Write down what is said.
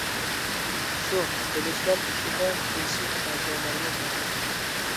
شۇ بىلىشلەر ئىچىدە جىنسى ئەزالارمۇ بار ئىدى.